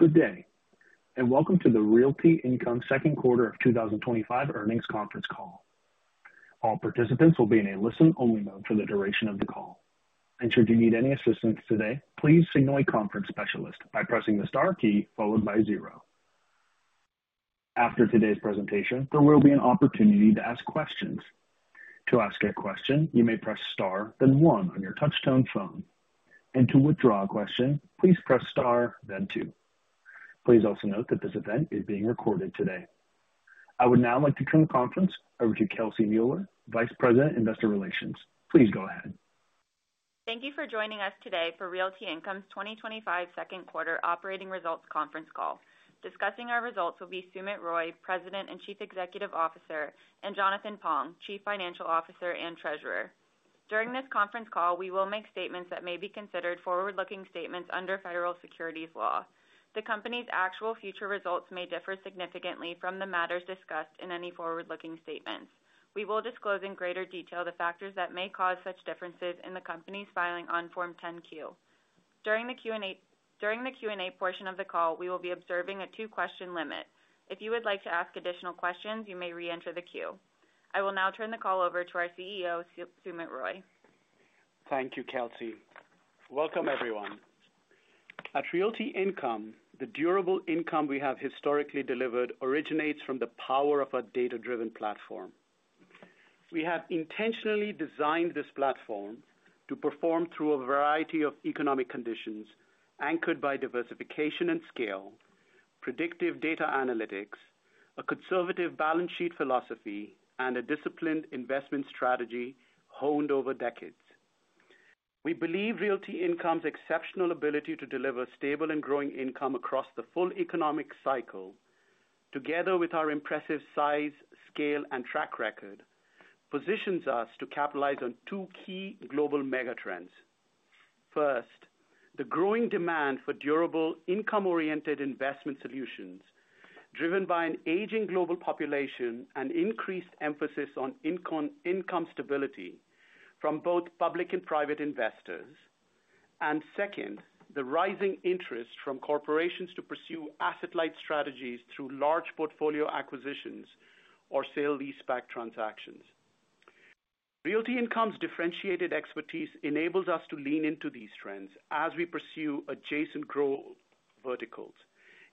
Good day and welcome to the Realty Income second quarter of 2025 earnings conference call. All participants will be in a listen-only mode for the duration of the call. Should you need any assistance today, please signal a conference specialist by pressing the star key followed by zero. After today's presentation, there will be an opportunity to ask questions. To ask a question, you may press star, then one on your touch-tone phone. To withdraw a question, please press star, then two. Please also note that this event is being recorded today. I would now like to turn the conference over to Kelsey Mueller, Vice President, Investor Relations. Please go ahead. Thank you for joining us today for Realty Income's 2025 second quarter operating results conference call. Discussing our results will be Sumit Roy, President and Chief Executive Officer, and Jonathan Pong, Chief Financial Officer and Treasurer. During this conference call, we will make statements that may be considered forward-looking statements under Federal Securities Law. The company's actual future results may differ significantly from the matters discussed in any forward-looking statements. We will disclose in greater detail the factors that may cause such differences in the company's filing on Form 10-Q. During the Q&A portion of the call, we will be observing a two-question limit. If you would like to ask additional questions, you may re-enter the queue. I will now turn the call over to our CEO, Sumit Roy. Thank you, Kelsey. Welcome, everyone. At Realty Income, the durable income we have historically delivered originates from the power of our data-driven platform. We have intentionally designed this platform to perform through a variety of economic conditions, anchored by diversification and scale, predictive data analytics, a conservative balance sheet philosophy, and a disciplined investment strategy honed over decades. We believe Realty Income's exceptional ability to deliver stable and growing income across the full economic cycle, together with our impressive size, scale, and track record, positions us to capitalize on two key global megatrends. First, the growing demand for durable income-oriented investment solutions, driven by an aging global population and increased emphasis on income stability from both public and private investors. Second, the rising interest from corporations to pursue asset-light strategies through large portfolio acquisitions or sale-leaseback transactions. Realty Income's differentiated expertise enables us to lean into these trends as we pursue adjacent growth verticals,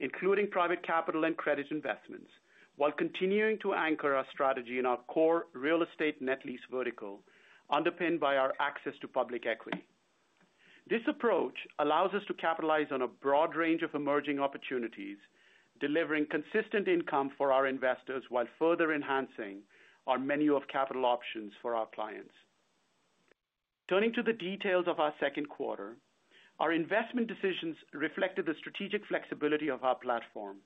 including private capital and credit investments, while continuing to anchor our strategy in our core real estate net lease vertical, underpinned by our access to public equity. This approach allows us to capitalize on a broad range of emerging opportunities, delivering consistent income for our investors while further enhancing our menu of capital options for our clients. Turning to the details of our second quarter, our investment decisions reflected the strategic flexibility of our platform.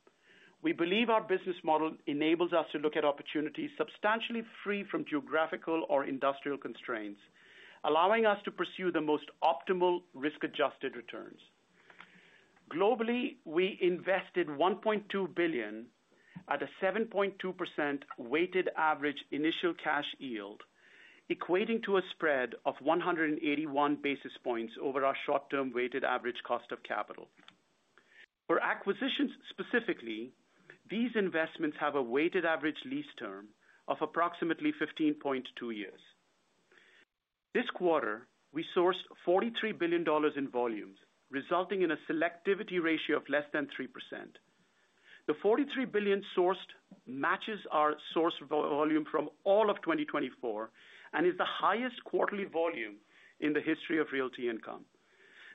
We believe our business model enables us to look at opportunities substantially free from geographical or industrial constraints, allowing us to pursue the most optimal risk-adjusted returns. Globally, we invested $1.2 billion at a 7.2% weighted average initial cash yield, equating to a spread of 181 basis points over our short-term weighted average cost of capital. For acquisitions specifically, these investments have a weighted average lease term of approximately 15.2 years. This quarter, we sourced $43 billion in volumes, resulting in a selectivity ratio of less than 3%. The $43 billion sourced matches our sourcing volume from all of 2024 and is the highest quarterly volume in the history of Realty Income.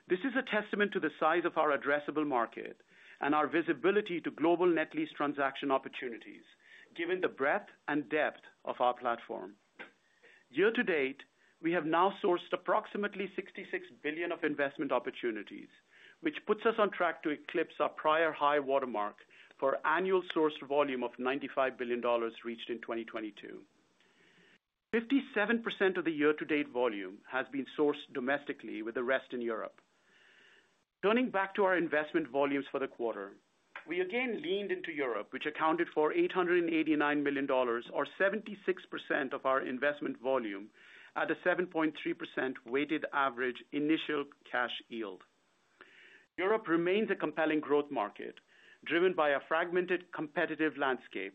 This is a testament to the size of our addressable market and our visibility to global net lease transaction opportunities, given the breadth and depth of our platform. Year to date, we have now sourced approximately $66 billion of investment opportunities, which puts us on track to eclipse our prior high watermark for annual sourced volume of $95 billion reached in 2022. 57% of the year-to-date volume has been sourced domestically, with the rest in Europe. Turning back to our investment volumes for the quarter, we again leaned into Europe, which accounted for $889 million, or 76% of our investment volume, at a 7.3% weighted average initial cash yield. Europe remains a compelling growth market, driven by a fragmented competitive landscape,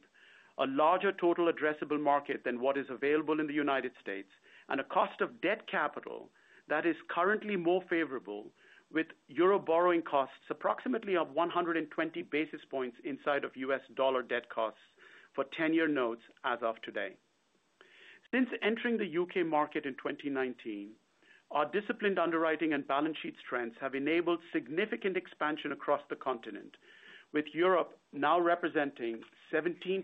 a larger total addressable market than what is available in the United States, and a cost of debt capital that is currently more favorable, with Euro borrowing costs approximately up 120 basis points inside of U.S. dollar debt costs for 10-year notes as of today. Since entering the U.K. market in 2019, our disciplined underwriting and balance sheet strengths have enabled significant expansion across the continent, with Europe now representing 17%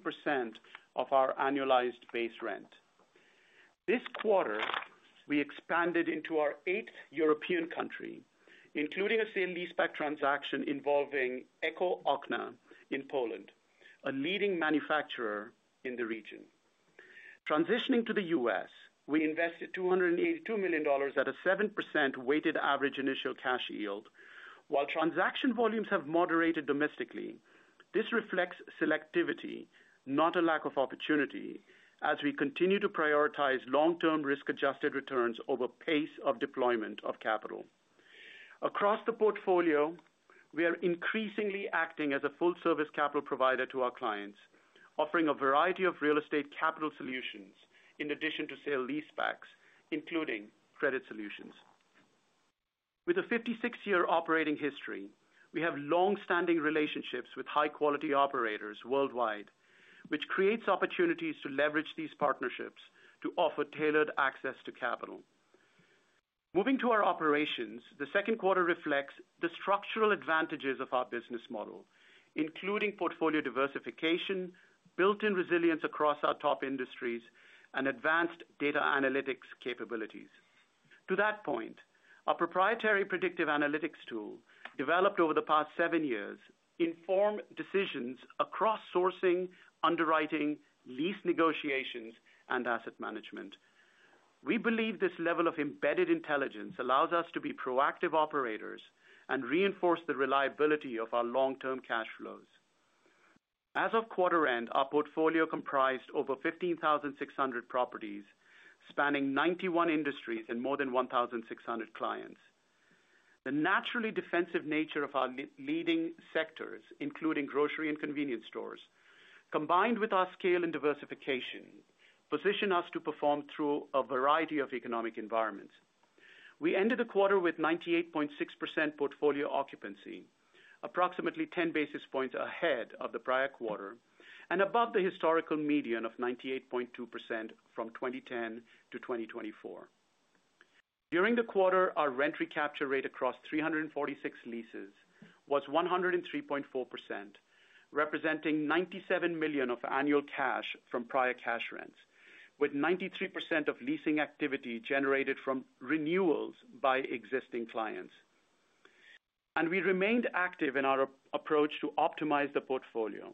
of our annualized base rent. This quarter, we expanded into our eighth European country, including a sale-leaseback transaction involving Eko-Okna in Poland, a leading manufacturer in the region. Transitioning to the U.S., we invested $282 million at a 7% weighted average initial cash yield. While transaction volumes have moderated domestically, this reflects selectivity, not a lack of opportunity, as we continue to prioritize long-term risk-adjusted returns over pace of deployment of capital. Across the portfolio, we are increasingly acting as a full-service capital provider to our clients, offering a variety of real estate capital solutions in addition to sale-leasebacks, including credit solutions. With a 56-year operating history, we have longstanding relationships with high-quality operators worldwide, which creates opportunities to leverage these partnerships to offer tailored access to capital. Moving to our operations, the second quarter reflects the structural advantages of our business model, including portfolio diversification, built-in resilience across our top industries, and advanced data analytics capabilities. To that point, our proprietary predictive analytics tool, developed over the past seven years, informs decisions across sourcing, underwriting, lease negotiations, and asset management. We believe this level of embedded intelligence allows us to be proactive operators and reinforce the reliability of our long-term cash flows. As of quarter-end, our portfolio comprised over 15,600 properties, spanning 91 industries and more than 1,600 clients. The naturally defensive nature of our leading sectors, including grocery and convenience stores, combined with our scale and diversification, position us to perform through a variety of economic environments. We ended the quarter with 98.6% portfolio occupancy, approximately 10 basis points ahead of the prior quarter and above the historical median of 98.2% from 2010 to 2024. During the quarter, our rent recapture rate across 346 leases was 103.4%, representing $97 million of annual cash from prior cash rents, with 93% of leasing activity generated from renewals by existing clients. We remained active in our approach to optimize the portfolio.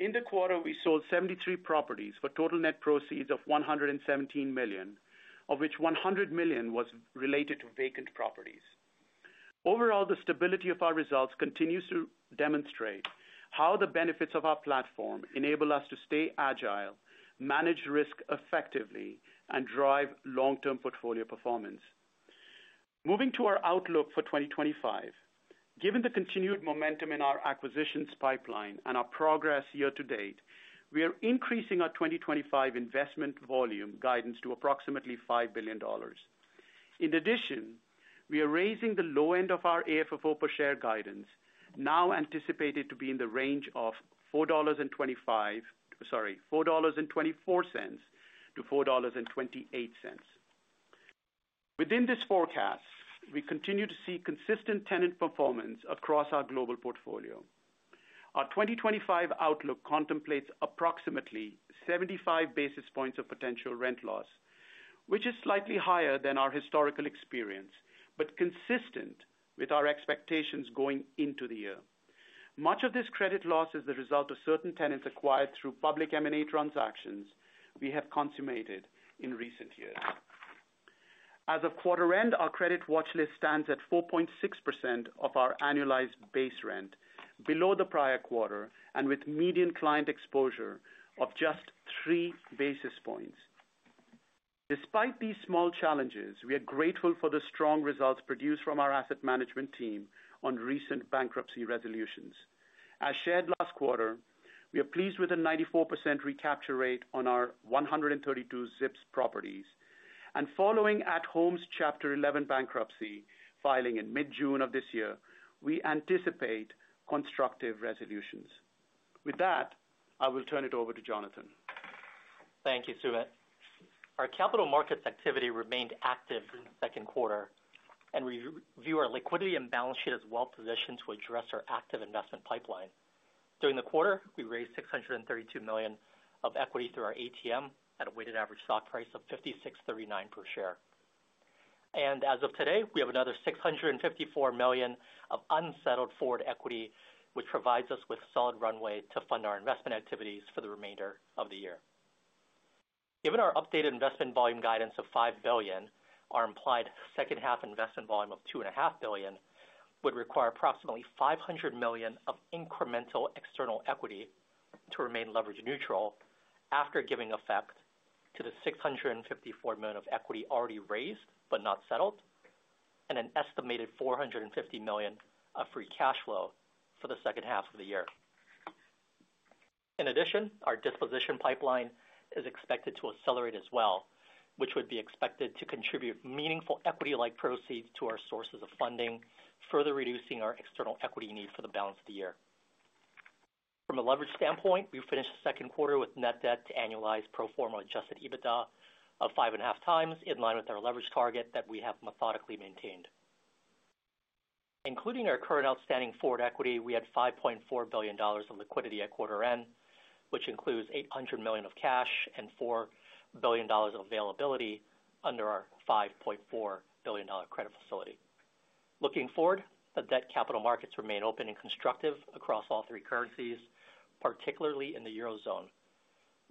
In the quarter, we sold 73 properties for total net proceeds of $117 million, of which $100 million was related to vacant properties. Overall, the stability of our results continues to demonstrate how the benefits of our platform enable us to stay agile, manage risk effectively, and drive long-term portfolio performance. Moving to our outlook for 2025, given the continued momentum in our acquisitions pipeline and our progress year to date, we are increasing our 2025 investment volume guidance to approximately $5 billion. In addition, we are raising the low end of our AFFO per share guidance, now anticipated to be in the range of $4.24-$4.28. Within this forecast, we continue to see consistent tenant performance across our global portfolio. Our 2025 outlook contemplates approximately 75 basis points of potential rent loss, which is slightly higher than our historical experience, but consistent with our expectations going into the year. Much of this credit loss is the result of certain tenants acquired through public M&A transactions we have consummated in recent years. As of quarter-end, our credit watch list stands at 4.6% of our annualized base rent, below the prior quarter and with median client exposure of just three basis points. Despite these small challenges, we are grateful for the strong results produced from our asset management team on recent bankruptcy resolutions. As shared last quarter, we are pleased with a 94% recapture rate on our 132 ZIPs properties. Following At Home's Chapter 11 bankruptcy filing in mid-June of this year, we anticipate constructive resolutions. With that, I will turn it over to Jonathan. Thank you, Sumit. Our capital markets activity remained active in the second quarter, and we view our liquidity and balance sheet as well-positioned to address our active investment pipeline. During the quarter, we raised $632 million of equity through our ATM program at a weighted average stock price of $56.39 per share. As of today, we have another $654 million of unsettled forward equity, which provides us with solid runway to fund our investment activities for the remainder of the year. Given our updated investment volume guidance of $5 billion, our implied second-half investment volume of $2.5 billion would require approximately $500 million of incremental external equity to remain leverage neutral after giving effect to the $654 million of equity already raised but not settled, and an estimated $450 million of free cash flow for the second half of the year. In addition, our disposition pipeline is expected to accelerate as well, which would be expected to contribute meaningful equity-like proceeds to our sources of funding, further reducing our external equity need for the balance of the year. From a leverage standpoint, we finished the second quarter with net debt to annualized pro forma adjusted EBITDA of five and a half times, in line with our leverage target that we have methodically maintained. Including our current outstanding forward equity, we had $5.4 billion of liquidity at quarter end, which includes $800 million of cash and $4 billion of availability under our $5.4 billion credit facility. Looking forward, the debt capital markets remain open and constructive across all three currencies, particularly in the eurozone.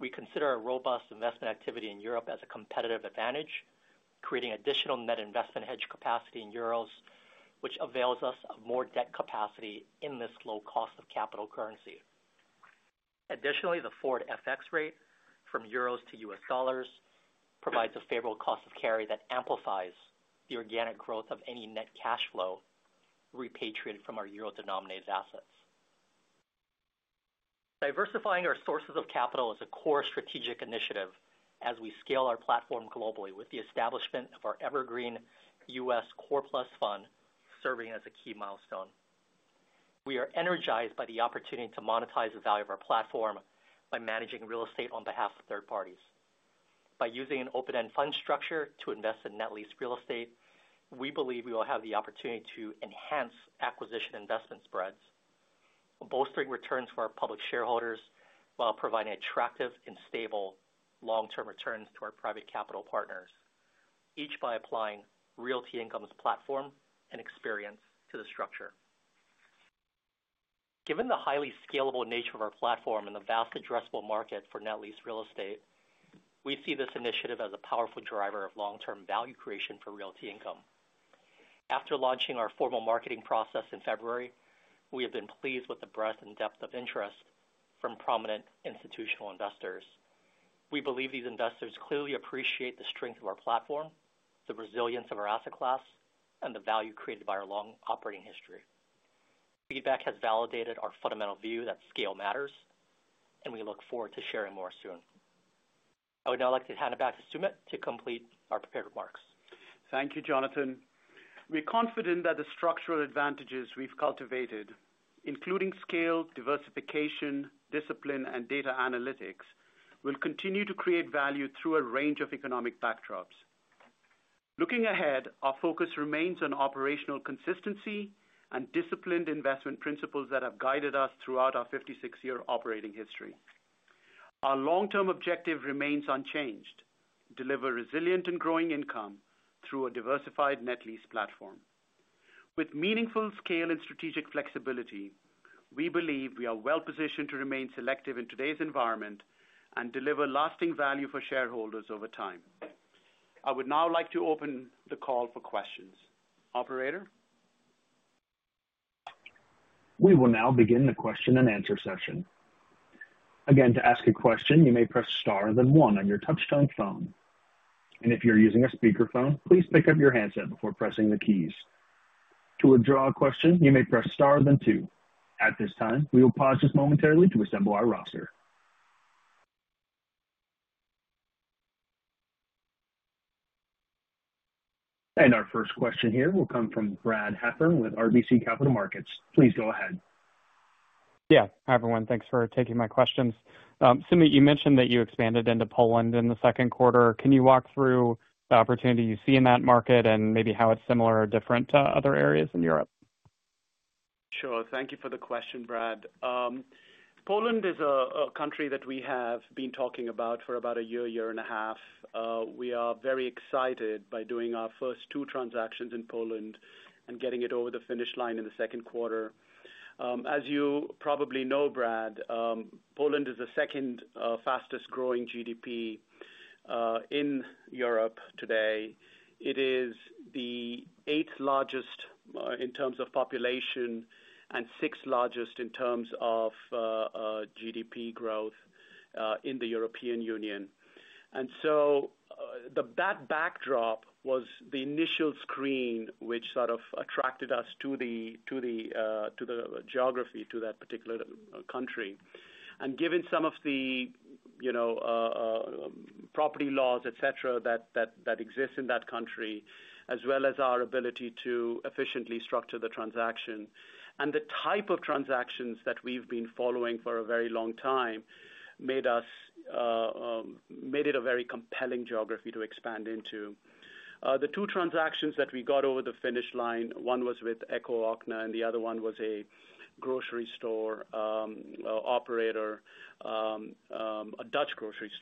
We consider our robust investment activity in Europe as a competitive advantage, creating additional net investment hedge capacity in euros, which avails us of more debt capacity in this low cost of capital currency. Additionally, the forward FX rate from euros to U.S. dollars provides a favorable cost of carry that amplifies the organic growth of any net cash flow repatriated from our euro-denominated assets. Diversifying our sources of capital is a core strategic initiative as we scale our platform globally, with the establishment of our evergreen U.S. Core Plus Fund serving as a key milestone. We are energized by the opportunity to monetize the value of our platform by managing real estate on behalf of third parties. By using an open-end fund structure to invest in net lease real estate, we believe we will have the opportunity to enhance acquisition investment spreads, bolstering returns for our public shareholders while providing attractive and stable long-term returns to our private capital partners, each by applying Realty Income's platform and experience to the structure. Given the highly scalable nature of our platform and the vast addressable market for net lease real estate, we see this initiative as a powerful driver of long-term value creation for Realty Income. After launching our formal marketing process in February, we have been pleased with the breadth and depth of interest from prominent institutional investors. We believe these investors clearly appreciate the strength of our platform, the resilience of our asset class, and the value created by our long operating history. Feedback has validated our fundamental view that scale matters, and we look forward to sharing more soon. I would now like to hand it back to Sumit to complete our prepared remarks. Thank you, Jonathan. We are confident that the structural advantages we've cultivated, including scale, diversification, discipline, and data analytics, will continue to create value through a range of economic backdrops. Looking ahead, our focus remains on operational consistency and disciplined investment principles that have guided us throughout our 56-year operating history. Our long-term objective remains unchanged: deliver resilient and growing income through a diversified net lease platform. With meaningful scale and strategic flexibility, we believe we are well-positioned to remain selective in today's environment and deliver lasting value for shareholders over time. I would now like to open the call for questions. Operator? We will now begin the question-and-answer session. To ask a question, you may press star then one on your touch-tone phone. If you're using a speakerphone, please pick up your headset before pressing the keys. To withdraw a question, you may press star then two. At this time, we will pause just momentarily to assemble our roster. Our first question here will come from Brad Heffern with RBC Capital Markets. Please go ahead. Yeah. Hi, everyone. Thanks for taking my questions. Sumit, you mentioned that you expanded into Poland in the second quarter. Can you walk through the opportunity you see in that market and maybe how it's similar or different to other areas in Europe? Sure. Thank you for the question, Brad. Poland is a country that we have been talking about for about a year, year and a half. We are very excited by doing our first two transactions in Poland and getting it over the finish line in the second quarter. As you probably know, Brad, Poland is the second fastest growing GDP in Europe today. It is the eighth largest in terms of population and sixth largest in terms of GDP growth in the European Union. That backdrop was the initial screen, which sort of attracted us to the geography, to that particular country. Given some of the property laws, et cetera, that exist in that country, as well as our ability to efficiently structure the transaction, and the type of transactions that we've been following for a very long time made it a very compelling geography to expand into. The two transactions that we got over the finish line, one was with Eko-Okna and the other one was a Dutch grocery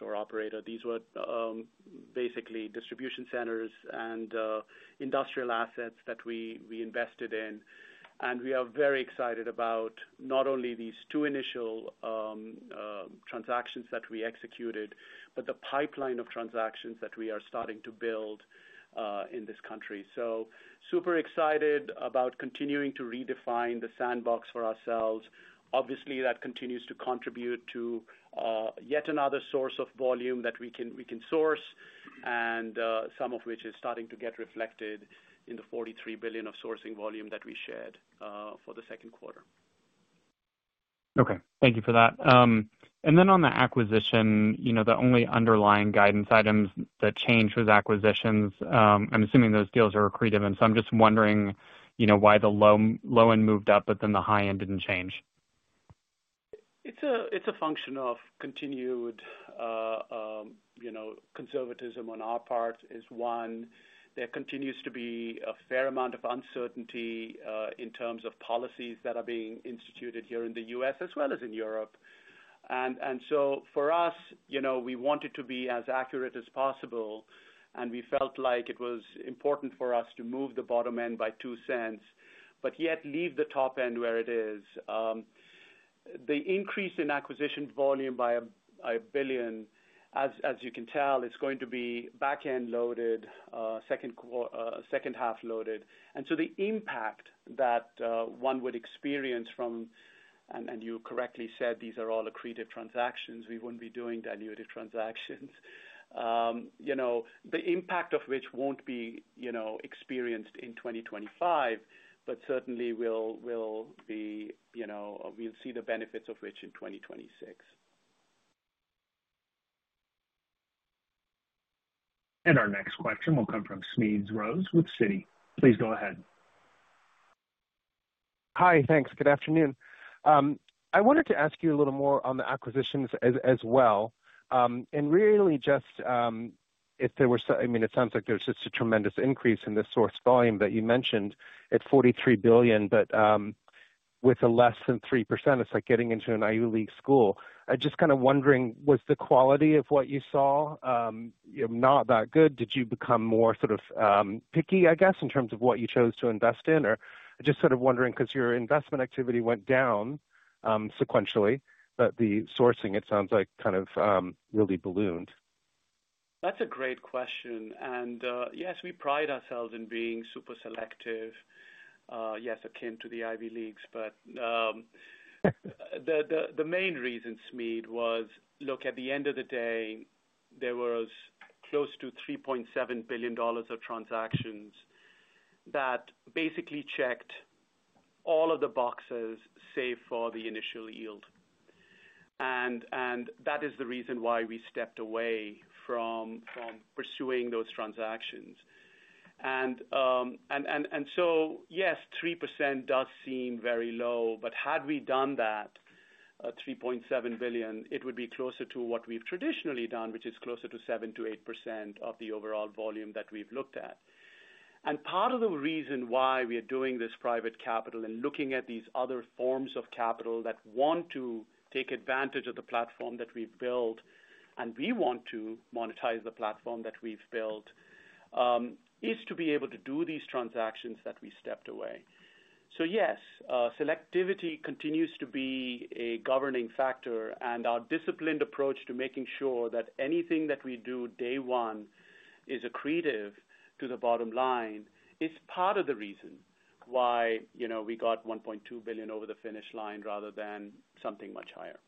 operator. These were basically distribution centers and industrial assets that we invested in. We are very excited about not only these two initial transactions that we executed, but the pipeline of transactions that we are starting to build in this country. We are super excited about continuing to redefine the sandbox for ourselves. Obviously, that continues to contribute to yet another source of volume that we can source, and some of which is starting to get reflected in the $43 billion of sourcing volume that we shared for the second quarter. Okay. Thank you for that. On the acquisition, you know the only underlying guidance items that change with acquisitions, I'm assuming those deals are accretive. I'm just wondering why the low end moved up, but the high end didn't change. It's a function of continued conservatism on our part is one. There continues to be a fair amount of uncertainty in terms of policies that are being instituted here in the U.S. as well as in Europe. For us, you know we wanted to be as accurate as possible. We felt like it was important for us to move the bottom end by $0.02 but yet leave the top end where it is. The increase in acquisition volume by $1 billion, as you can tell, is going to be back end loaded, second half loaded. The impact that one would experience from, and you correctly said, these are all accretive transactions. We wouldn't be doing diluted transactions. The impact of which won't be experienced in 2025, but certainly we'll see the benefits of which in 2026. Our next question will come from Smedes Rose with Citi. Please go ahead. Hi. Thanks. Good afternoon. I wanted to ask you a little more on the acquisitions as well. Really just if there was, I mean, it sounds like there's just a tremendous increase in the sourcing volume that you mentioned at $43 billion, but with a less than 3%, it's like getting into an Ivy League school. I'm just kind of wondering, was the quality of what you saw not that good? Did you become more sort of picky, I guess, in terms of what you chose to invest in? I'm just sort of wondering because your investment activity went down sequentially, but the sourcing, it sounds like, kind of really ballooned. That's a great question. Yes, we pride ourselves in being super selective, akin to the Ivy Leagues, but the main reason, Snead, was look, at the end of the day, there were close to $3.7 billion of transactions that basically checked all of the boxes save for the initial yield. That is the reason why we stepped away from pursuing those transactions. Yes, 3% does seem very low, but had we done that $3.7 billion, it would be closer to what we've traditionally done, which is closer to 7%-8% of the overall volume that we've looked at. Part of the reason why we are doing this private capital and looking at these other forms of capital that want to take advantage of the platform that we've built, and we want to monetize the platform that we've built, is to be able to do these transactions that we stepped away. Yes, selectivity continues to be a governing factor, and our disciplined approach to making sure that anything that we do day one is accretive to the bottom line is part of the reason why we got $1.2 billion over the finish line rather than something much higher.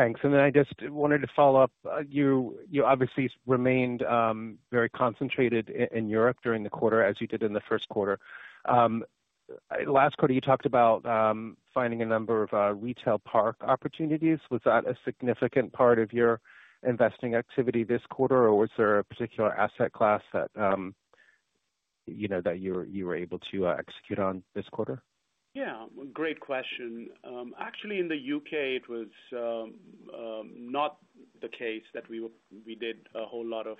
Thanks. I just wanted to follow up. You obviously remained very concentrated in Europe during the quarter, as you did in the first quarter. Last quarter, you talked about finding a number of retail park opportunities. Was that a significant part of your investing activity this quarter, or was there a particular asset class that you were able to execute on this quarter? Yeah. Great question. Actually, in the U.K., it was not the case that we did a whole lot of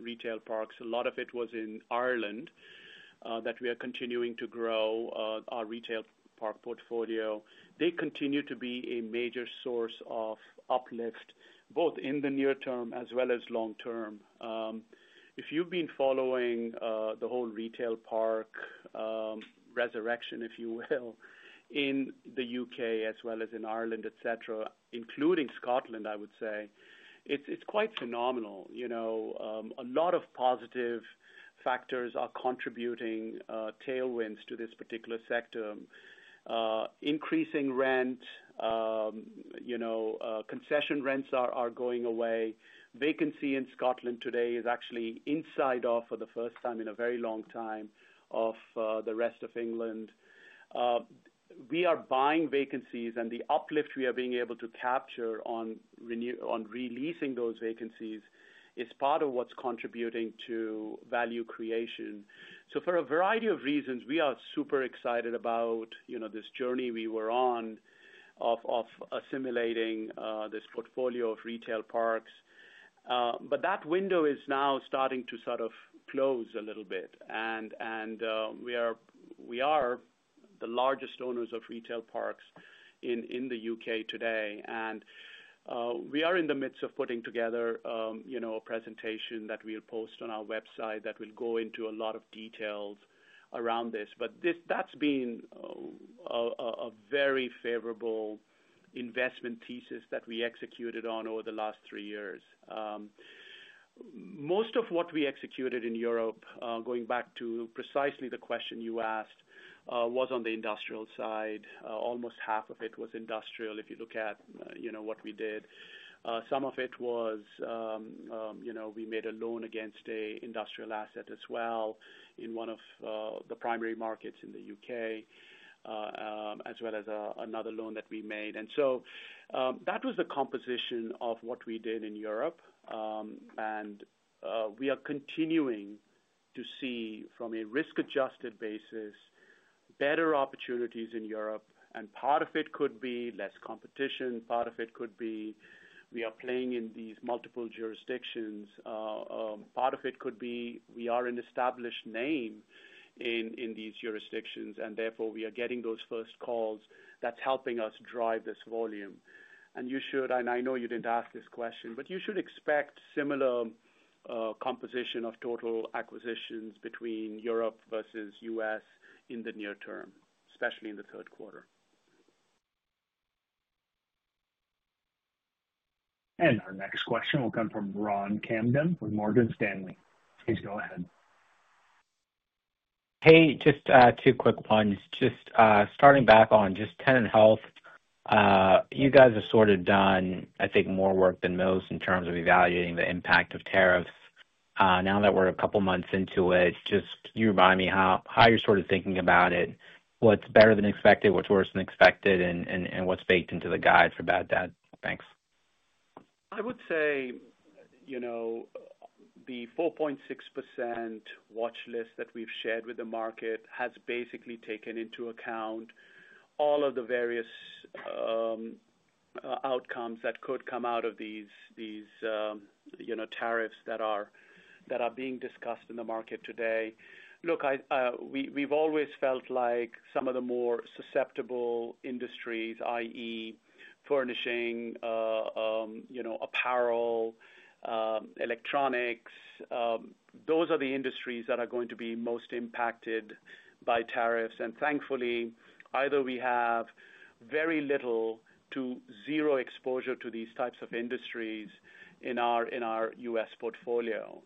retail parks. A lot of it was in Ireland that we are continuing to grow our retail park portfolio. They continue to be a major source of uplift, both in the near term as well as long term. If you've been following the whole retail park resurrection, if you will, in the U.K. as well as in Ireland, including Scotland, I would say it's quite phenomenal. A lot of positive factors are contributing tailwinds to this particular sector. Increasing rent, concession rents are going away. Vacancy in Scotland today is actually inside of, for the first time in a very long time, the rest of England. We are buying vacancies, and the uplift we are being able to capture on releasing those vacancies is part of what's contributing to value creation. For a variety of reasons, we are super excited about this journey we were on of assimilating this portfolio of retail parks. That window is now starting to sort of close a little bit. We are the largest owners of retail parks in the U.K. today. We are in the midst of putting together a presentation that we'll post on our website that will go into a lot of details around this. That's been a very favorable investment thesis that we executed on over the last three years. Most of what we executed in Europe, going back to precisely the question you asked, was on the industrial side. Almost half of it was industrial if you look at what we did. Some of it was we made a loan against an industrial asset as well in one of the primary markets in the U.K., as well as another loan that we made. That was the composition of what we did in Europe. We are continuing to see, from a risk-adjusted basis, better opportunities in Europe. Part of it could be less competition. Part of it could be we are playing in these multiple jurisdictions. Part of it could be we are an established name in these jurisdictions, and therefore we are getting those first calls. That's helping us drive this volume. I know you didn't ask this question, but you should expect similar composition of total acquisitions between Europe versus U.S. in the near term, especially in the third quarter. Our next question will come from Ronald Kamdem from Morgan Stanley. Please go ahead. Hey, just two quick ones. Starting back on tenant health, you guys have done, I think, more work than most in terms of evaluating the impact of tariffs. Now that we're a couple of months into it, can you remind me how you're thinking about it? What's better than expected, what's worse than expected, and what's baked into the guide for bad debt? Thanks. I would say, you know, the 4.6% watch list that we've shared with the market has basically taken into account all of the various outcomes that could come out of these tariffs that are being discussed in the market today. Look, we've always felt like some of the more susceptible industries, i.e., furnishing, apparel, electronics, those are the industries that are going to be most impacted by tariffs. Thankfully, either we have very little to zero exposure to these types of industries in our U.S. portfolio.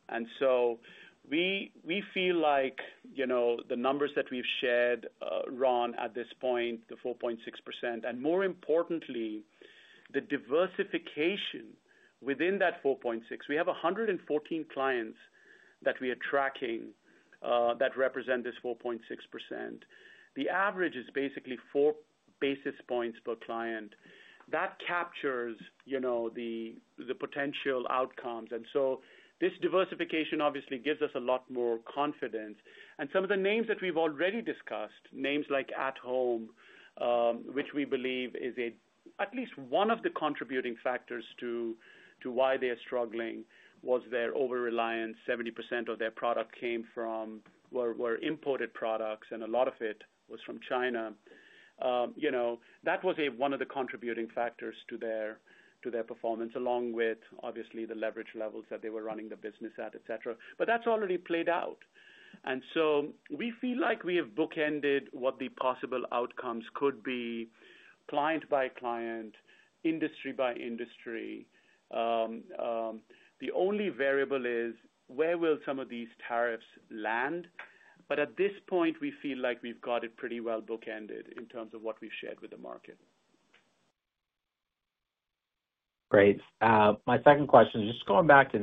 We feel like the numbers that we've shared, Ron, at this point, the 4.6%, and more importantly, the diversification within that 4.6%, we have 114 clients that we are tracking that represent this 4.6%. The average is basically four basis points per client. That captures the potential outcomes. This diversification obviously gives us a lot more confidence. Some of the names that we've already discussed, names like At Home, which we believe is at least one of the contributing factors to why they are struggling, was their over-reliance. 70% of their product came from imported products, and a lot of it was from China. That was one of the contributing factors to their performance, along with obviously the leverage levels that they were running the business at, et cetera. That's already played out. We feel like we have bookended what the possible outcomes could be, client by client, industry by industry. The only variable is where will some of these tariffs land. At this point, we feel like we've got it pretty well bookended in terms of what we've shared with the market. Great. My second question is just going back to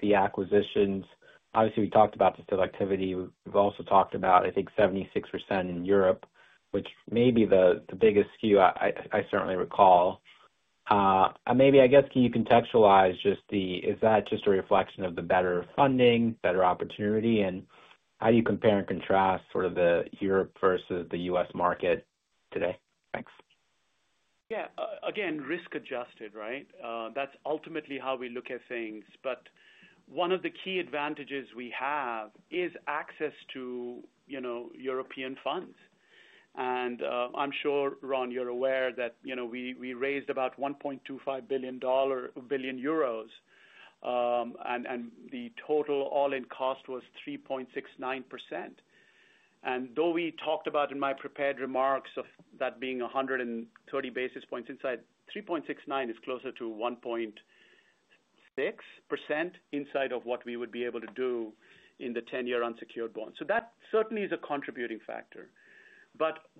the acquisitions. Obviously, we talked about the selectivity. We've also talked about, I think, 76% in Europe, which may be the biggest skew I certainly recall. Maybe, I guess, can you contextualize just the, is that just a reflection of the better funding, better opportunity? How do you compare and contrast sort of the Europe versus the U.S. market today? Thanks. Yeah. Again, risk-adjusted, right? That's ultimately how we look at things. One of the key advantages we have is access to European funds. I'm sure, Ron, you're aware that we raised about EUR 1.25 billion, and the total all-in cost was 3.69%. Though we talked about in my prepared remarks of that being 130 basis points inside, 3.69% is closer to 1.6% inside of what we would be able to do in the 10-year unsecured bond. That certainly is a contributing factor.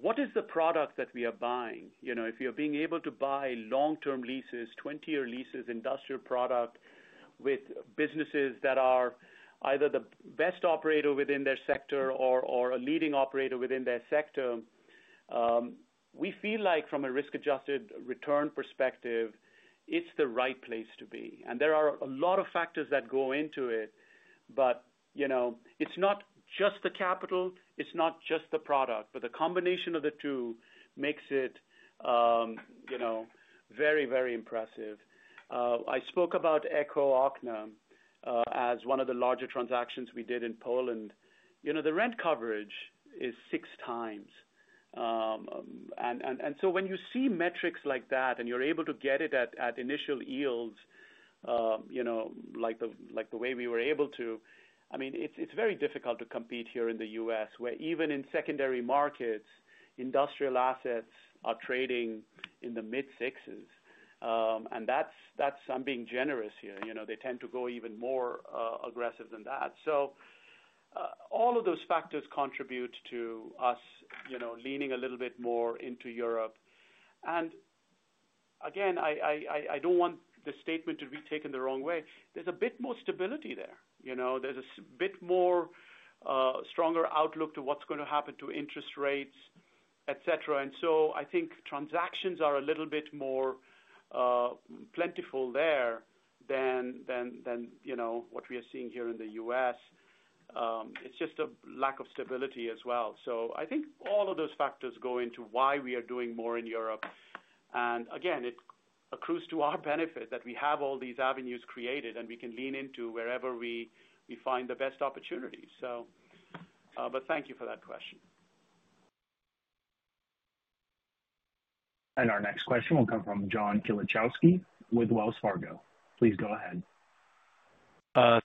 What is the product that we are buying? If you're being able to buy long-term leases, 20-year leases, industrial product with businesses that are either the best operator within their sector or a leading operator within their sector, we feel like from a risk-adjusted return perspective, it's the right place to be. There are a lot of factors that go into it. It's not just the capital, it's not just the product, but the combination of the two makes it very, very impressive. I spoke about Eko-Okna as one of the larger transactions we did in Poland. The rent coverage is six times. When you see metrics like that and you're able to get it at initial yields, like the way we were able to, it's very difficult to compete here in the U.S., where even in secondary markets, industrial assets are trading in the mid-sixes. I'm being generous here. They tend to go even more aggressive than that. All of those factors contribute to us leaning a little bit more into Europe. I don't want the statement to be taken the wrong way. There's a bit more stability there. There's a bit more stronger outlook to what's going to happen to interest rates, et cetera. I think transactions are a little bit more plentiful there than what we are seeing here in the U.S. It's just a lack of stability as well. I think all of those factors go into why we are doing more in Europe. It accrues to our benefit that we have all these avenues created and we can lean into wherever we find the best opportunities. Thank you for that question. Our next question will come from John Case with Wells Fargo. Please go ahead.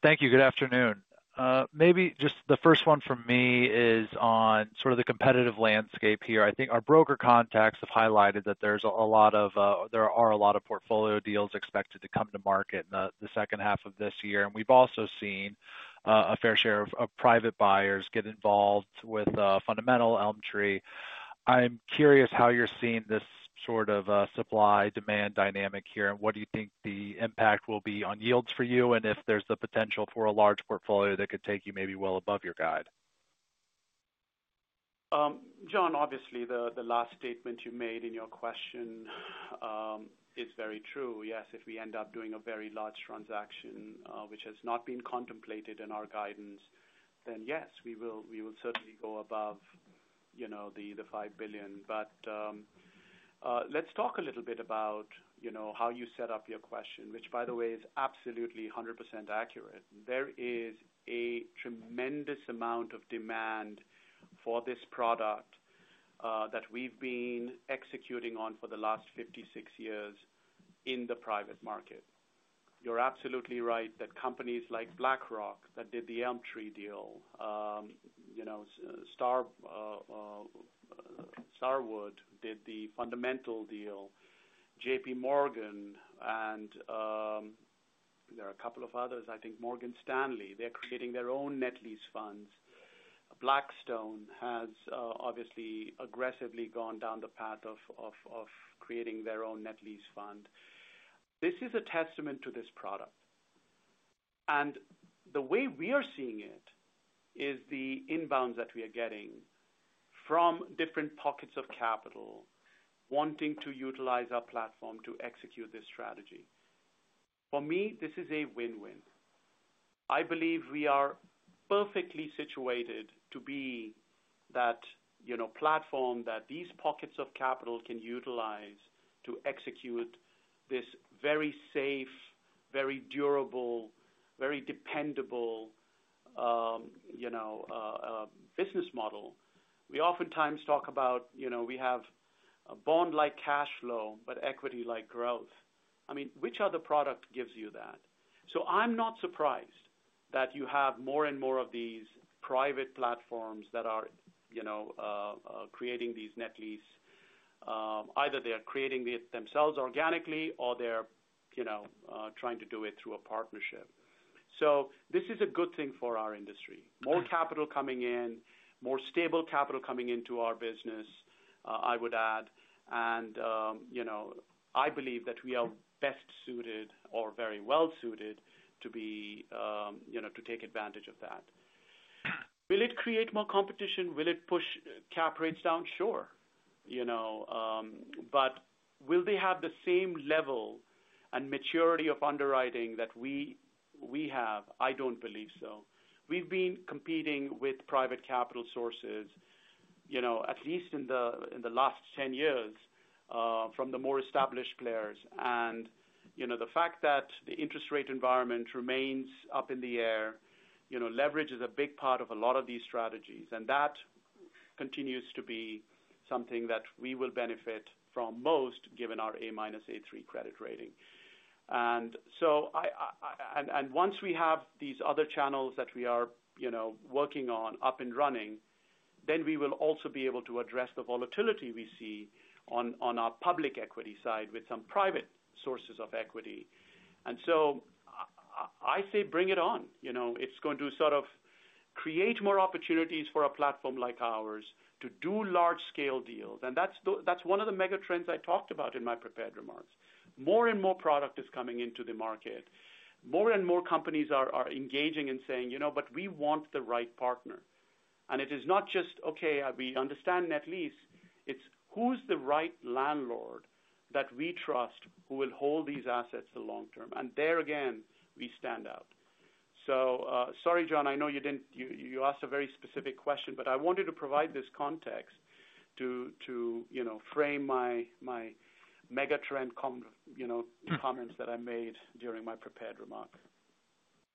Thank you. Good afternoon. Maybe just the first one from me is on sort of the competitive landscape here. I think our broker contacts have highlighted that there are a lot of portfolio deals expected to come to market in the second half of this year. We've also seen a fair share of private buyers get involved with fundamental Elm Tree. I'm curious how you're seeing this sort of supply-demand dynamic here and what you think the impact will be on yields for you and if there's the potential for a large portfolio that could take you maybe well above your guide. John, obviously, the last statement you made in your question is very true. Yes, if we end up doing a very large transaction, which has not been contemplated in our guidance, then yes, we will certainly go above the $5 billion. Let's talk a little bit about how you set up your question, which, by the way, is absolutely 100% accurate. There is a tremendous amount of demand for this product that we've been executing on for the last 56 years in the private market. You're absolutely right that companies like BlackRock that did the Elm Tree deal, Starwood did the Fundamental deal, JPMorgan, and there are a couple of others, I think Morgan Stanley, they're creating their own net lease funds. Blackstone has obviously aggressively gone down the path of creating their own net lease fund. This is a testament to this product. The way we are seeing it is the inbounds that we are getting from different pockets of capital wanting to utilize our platform to execute this strategy. For me, this is a win-win. I believe we are perfectly situated to be that platform that these pockets of capital can utilize to execute this very safe, very durable, very dependable business model. We oftentimes talk about we have a bond-like cash flow, but equity-like growth. I mean, which other product gives you that? I'm not surprised that you have more and more of these private platforms that are creating these net lease. Either they are creating themselves organically or they're trying to do it through a partnership. This is a good thing for our industry. More capital coming in, more stable capital coming into our business, I would add. I believe that we are best suited or very well suited to take advantage of that. Will it create more competition? Will it push cap rates down? Sure. Will they have the same level and maturity of underwriting that we have? I don't believe so. We've been competing with private capital sources, at least in the last 10 years, from the more established players. The fact that the interest rate environment remains up in the air leverages a big part of a lot of these strategies. That continues to be something that we will benefit from most, given our A- A3 credit rating. Once we have these other channels that we are working on up and running, then we will also be able to address the volatility we see on our public equity side with some private sources of equity. I say bring it on. It's going to sort of create more opportunities for a platform like ours to do large-scale deals. That's one of the mega trends I talked about in my prepared remarks. More and more product is coming into the market. More and more companies are engaging and saying, you know, we want the right partner. It is not just, okay, we understand net lease. It's who's the right landlord that we trust who will hold these assets the long term. There again, we stand out. Sorry, John, I know you asked a very specific question, but I wanted to provide this context to frame my mega trend comments that I made during my prepared remark.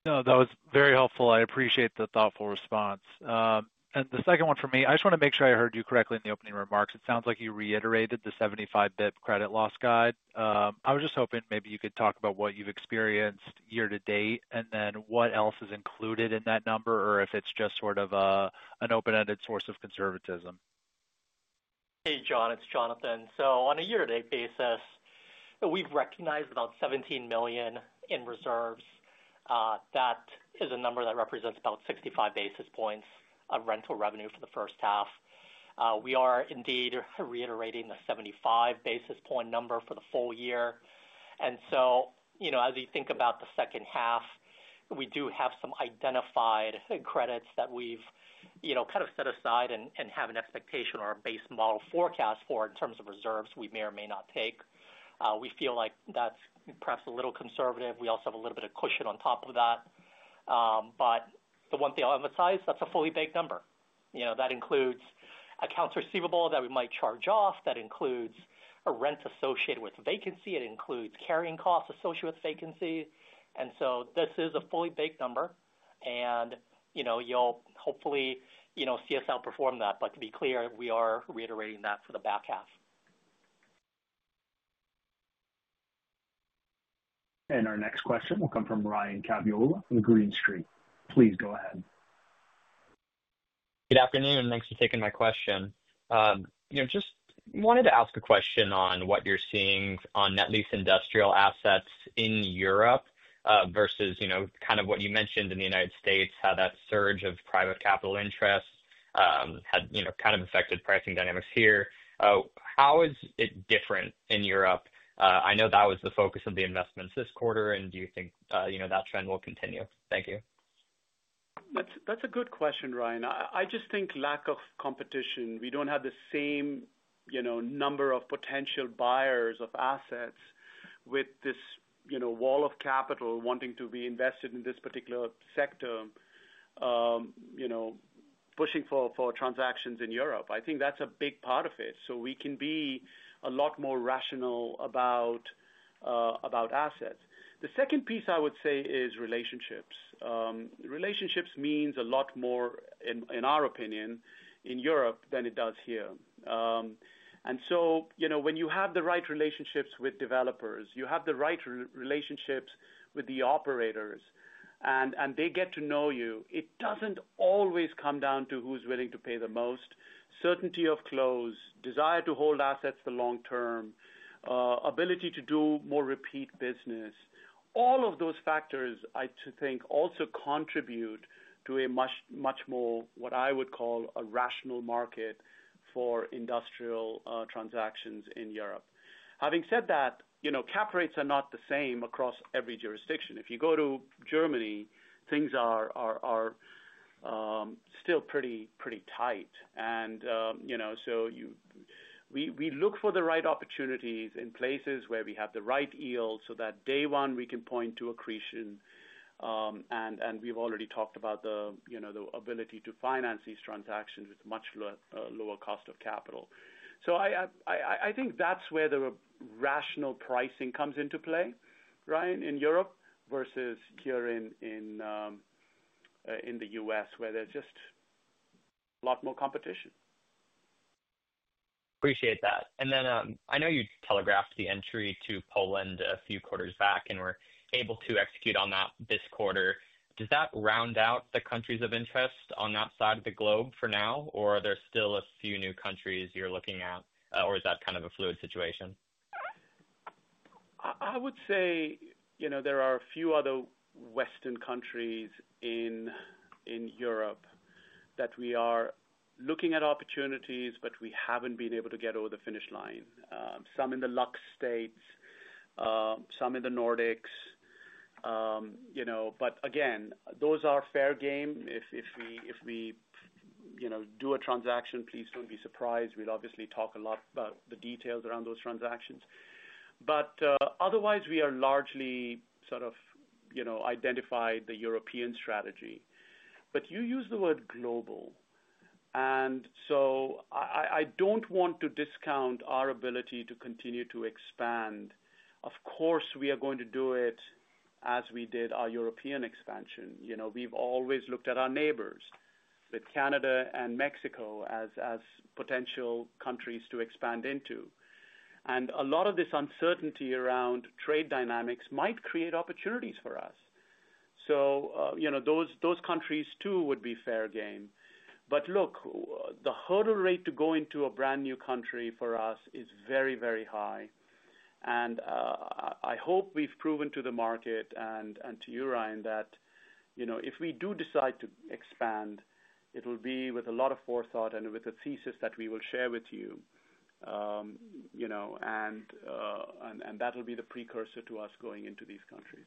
No, that was very helpful. I appreciate the thoughtful response. The second one for me, I just want to make sure I heard you correctly in the opening remarks. It sounds like you reiterated the 75 basis point credit loss guide. I was just hoping maybe you could talk about what you've experienced year to date and then what else is included in that number or if it's just sort of an open-ended source of conservatism. Hey, John. It's Jonathan. On a year-to-date basis, we've recognized about $17 million in reserves. That is a number that represents about 65 basis points of rental revenue for the first half. We are indeed reiterating the 75 basis point number for the full year. As we think about the second half, we do have some identified credits that we've kind of set aside and have an expectation or a base model forecast for in terms of reserves we may or may not take. We feel like that's perhaps a little conservative. We also have a little bit of cushion on top of that. The one thing I'll emphasize, that's a fully baked number. That includes accounts receivable that we might charge off. That includes rent associated with vacancy. It includes carrying costs associated with vacancy. This is a fully baked number. You'll hopefully see us outperform that. To be clear, we are reiterating that for the back half. Our next question will come from Ryan Caviola on Green Street Advisors. Please go ahead. Good afternoon. Thanks for taking my question. Just wanted to ask a question on what you're seeing on net lease industrial assets in Europe versus kind of what you mentioned in the United States, how that surge of private capital interests had kind of affected pricing dynamics here. How is it different in Europe? I know that was the focus of the investments this quarter. Do you think that trend will continue? Thank you. That's a good question, Ryan. I just think lack of competition. We don't have the same number of potential buyers of assets with this wall of capital wanting to be invested in this particular sector pushing for transactions in Europe. I think that's a big part of it. We can be a lot more rational about assets. The second piece I would say is relationships. Relationships mean a lot more, in our opinion, in Europe than it does here. When you have the right relationships with developers, you have the right relationships with the operators, and they get to know you. It doesn't always come down to who's willing to pay the most. Certainty of close, desire to hold assets the long term, ability to do more repeat business, all of those factors, I think, also contribute to a much more, what I would call, a rational market for industrial transactions in Europe. Having said that, cap rates are not the same across every jurisdiction. If you go to Germany, things are still pretty tight. We look for the right opportunities in places where we have the right yield so that day one we can point to accretion. We've already talked about the ability to finance these transactions with a much lower cost of capital. I think that's where the rational pricing comes into play Ryan, in Europe versus here in the U.S., where there's just a lot more competition. Appreciate that. I know you telegraphed the entry to Poland a few quarters back, and were able to execute on that this quarter. Does that round out the countries of interest on that side of the globe for now, or are there still a few new countries you're looking at, or is that kind of a fluid situation? I would say there are a few other Western countries in Europe that we are looking at opportunities, but we haven't been able to get over the finish line. Some in the LUX states, some in the Nordics. Those are fair game. If we do a transaction, please don't be surprised. We'll obviously talk a lot about the details around those transactions. Otherwise, we are largely sort of identified the European strategy. You use the word global. I don't want to discount our ability to continue to expand. Of course, we are going to do it as we did our European expansion. We've always looked at our neighbors with Canada and Mexico as potential countries to expand into. A lot of this uncertainty around trade dynamics might create opportunities for us. Those countries, too, would be fair game. The hurdle rate to go into a brand new country for us is very, very high. I hope we've proven to the market and to you, Ryan, that if we do decide to expand, it will be with a lot of forethought and with a thesis that we will share with you. That'll be the precursor to us going into these countries.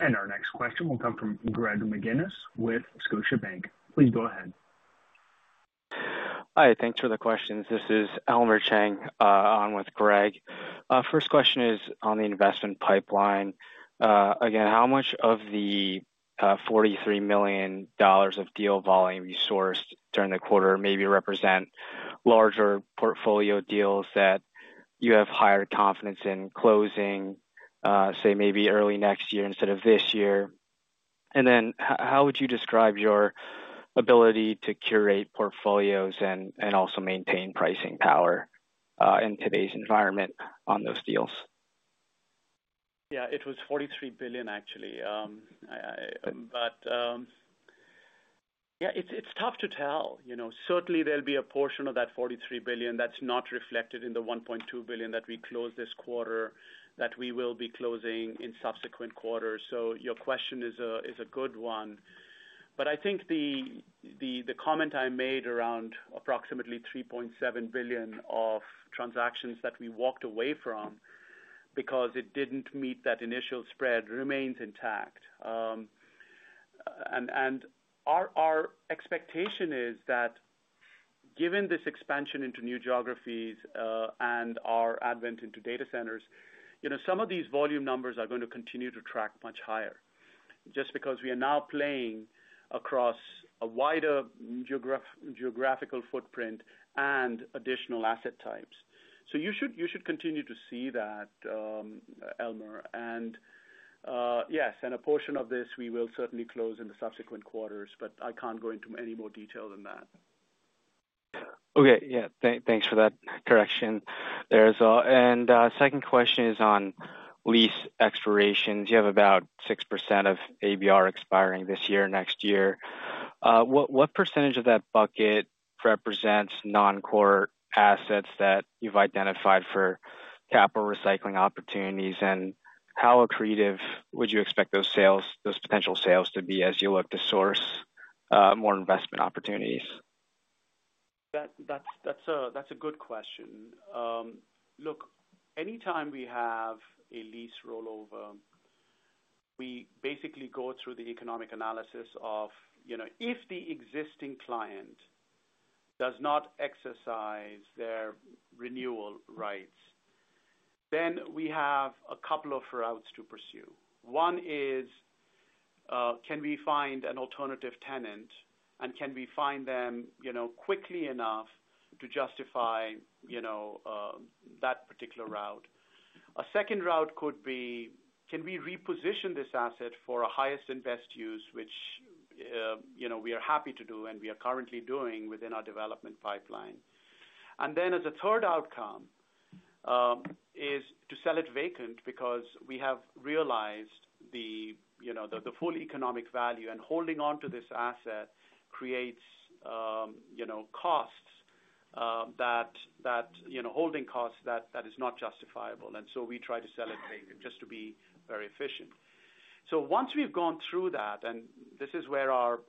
Our next question will come from Greg McGinniss with Scotiabank. Please go ahead. Hi. Thanks for the questions. This is Elmer Chang on with Greg. First question is on the investment pipeline. How much of the $43 million of deal volume you sourced during the quarter maybe represents larger portfolio deals that you have higher confidence in closing, say, maybe early next year instead of this year? How would you describe your ability to curate portfolios and also maintain pricing power in today's environment on those deals? Yeah, it was $43 billion, actually. It's tough to tell. Certainly, there'll be a portion of that $43 billion that's not reflected in the $1.2 billion that we closed this quarter that we will be closing in subsequent quarters. Your question is a good one. I think the comment I made around approximately $3.7 billion of transactions that we walked away from because it didn't meet that initial spread remains intact. Our expectation is that given this expansion into new geographies and our advent into data centers, some of these volume numbers are going to continue to track much higher just because we are now playing across a wider geographical footprint and additional asset types. You should continue to see that, Elmer. Yes, a portion of this we will certainly close in the subsequent quarters, but I can't go into any more detail than that. OK. Yeah, thanks for that correction. The second question is on lease expirations. You have about 6% of ABR expiring this year and next year. What percent of that bucket represents non-core assets that you've identified for capital recycling opportunities? How accretive would you expect those potential sales to be as you look to source more investment opportunities? That's a good question. Look, anytime we have a lease rollover, we basically go through the economic analysis of if the existing client does not exercise their renewal rights, then we have a couple of routes to pursue. One is, can we find an alternative tenant? Can we find them quickly enough to justify that particular route? A second route could be, can we reposition this asset for a highest and best use, which we are happy to do and we are currently doing within our development pipeline? A third outcome is to sell it vacant because we have realized the full economic value. Holding onto this asset creates costs, holding costs that are not justifiable. We try to sell it vacant just to be very efficient. Once we've gone through that, and this is where our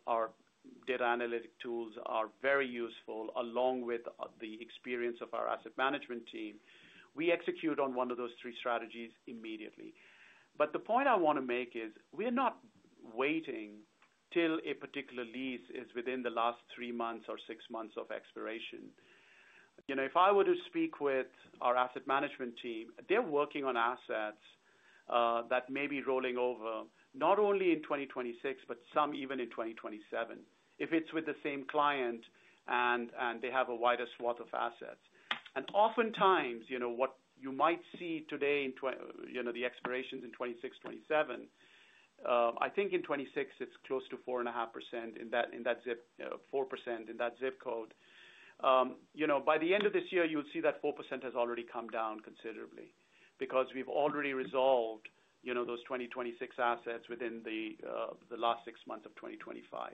data analytic tools are very useful, along with the experience of our asset management team, we execute on one of those three strategies immediately. The point I want to make is we're not waiting till a particular lease is within the last three months or six months of expiration. If I were to speak with our asset management team, they're working on assets that may be rolling over not only in 2026, but some even in 2027, if it's with the same client and they have a wider swath of assets. Oftentimes, what you might see today in the expirations in 2026, 2027, I think in 2026, it's close to 4.5% in that ZIP, 4% in that ZIP code. By the end of this year, you'll see that 4% has already come down considerably because we've already resolved those 2026 assets within the last six months of 2025.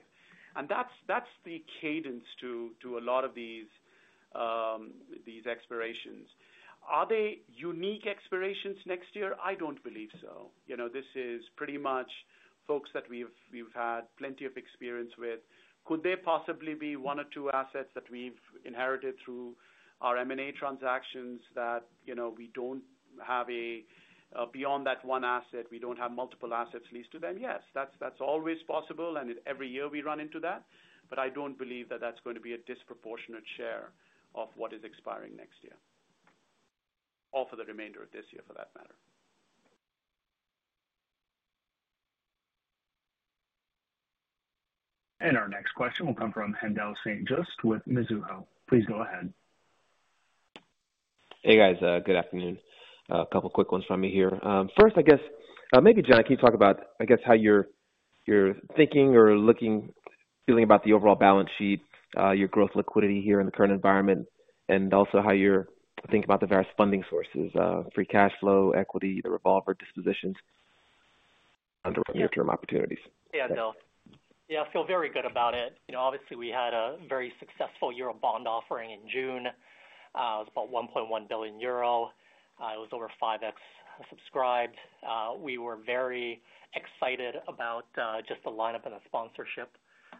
That's the cadence to a lot of these expirations. Are they unique expirations next year? I don't believe so. This is pretty much folks that we've had plenty of experience with. Could there possibly be one or two assets that we've inherited through our M&A transactions that we don't have beyond that one asset? We don't have multiple assets leased to them? Yes, that's always possible. Every year we run into that. I don't believe that that's going to be a disproportionate share of what is expiring next year, or for the remainder of this year, for that matter. Our next question will come from Haendel St. Juste with Mizuho. Please go ahead. Hey, guys. Good afternoon. A couple of quick ones from me here. First, I guess, maybe, Jonathan, can you talk about how you're thinking or looking, feeling about the overall balance sheet, your growth liquidity here in the current environment, and also how you're thinking about the various funding sources, free cash flow, equity, the revolver, dispositions, underwriting your term opportunities? Yeah, I feel very good about it. Obviously, we had a very successful euro bond offering in June. It was about 1.1 billion euro. It was over five times subscribed. We were very excited about just the lineup and the sponsorship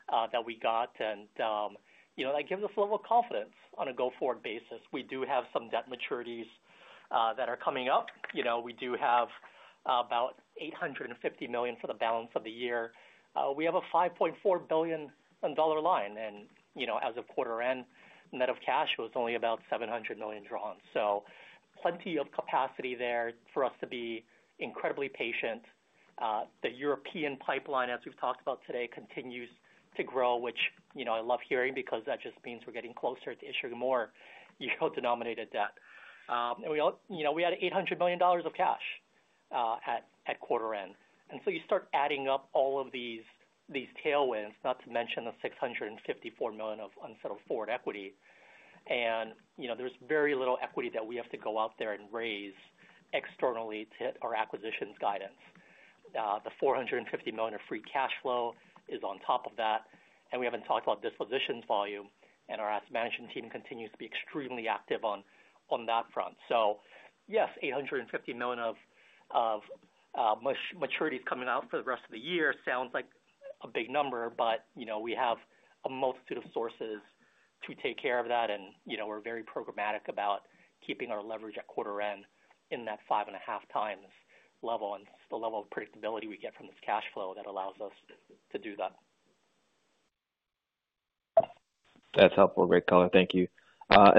that we got. That gives us a level of confidence on a go-forward basis. We do have some debt maturities that are coming up. We do have about $850 million for the balance of the year. We have a $5.4 billion line, and as of quarter end, net of cash, was only about $700 million drawn. Plenty of capacity there for us to be incredibly patient. The European pipeline, as we've talked about today, continues to grow, which I love hearing because that just means we're getting closer to issuing more euro-denominated debt. We had $800 million of cash at quarter end, and you start adding up all of these tailwinds, not to mention the $654 million of unsettled forward equity. There's very little equity that we have to go out there and raise externally to hit our acquisitions guidance. The $450 million of free cash flow is on top of that. We haven't talked about dispositions volume, and our asset management team continues to be extremely active on that front. Yes, $850 million of maturities coming out for the rest of the year sounds like a big number, but we have a multitude of sources to take care of that. We're very programmatic about keeping our leverage at quarter end in that 5.5 times level and the level of predictability we get from this cash flow that allows us to do that. That's helpful. Great comment. Thank you.